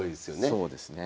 そうですね。